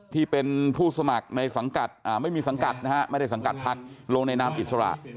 ที่เป็นผู้สมัครในสังกัดอ่าไม่ได้สังกัดภักดิ์โลกแนนามอิสระ